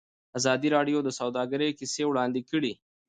ازادي راډیو د سوداګري کیسې وړاندې کړي.